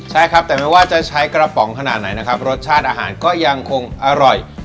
ใช่ครับแต่ไม่ว่าจะใช้กระป๋องขนาดไหนนะครับรสชาติอาหารก็ยังคงอร่อย